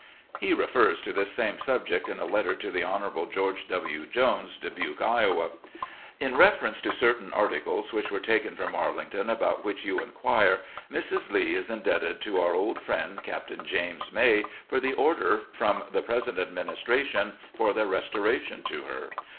..." He refers to this same subject in a letter to the Honourable George W. Jones, Dubuque, Iowa :"... In reference to certain articles which were taken from Arlington, about which you inquire, Mrs. Lee is indebted to our old friend Captain James May for the order from the present administration for their restora tion to her.